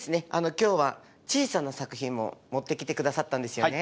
今日は小さな作品も持ってきてくださったんですよね。